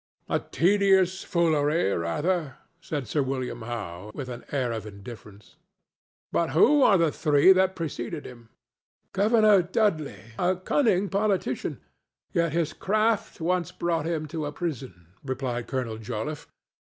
"A tedious foolery, rather," said Sir William Howe, with an air of indifference. "But who were the three that preceded him?" "Governor Dudley, a cunning politician; yet his craft once brought him to a prison," replied Colonel Joliffe.